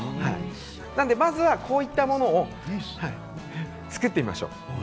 まずは、こういったものを作ってみましょう。